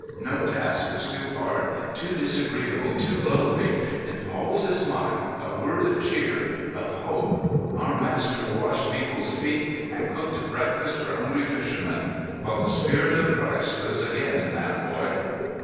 No task was too hard, too disagreeable, too lowly. And always a smile, a word of cheer, of hope. Our Master washed people's feet and cooked a breakfast for hungry fishermen. Well, the spirit of Christ lives again in that boy."